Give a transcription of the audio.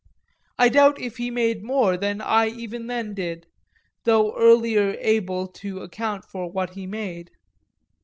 I doubt if he made more than I even then did, though earlier able to account for what he made.